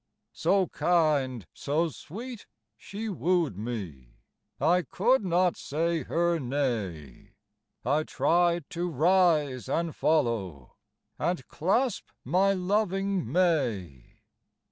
So kind, so sweet she wooed me, I could not say her nay; I tried to rise and follow, And clasp my loving may.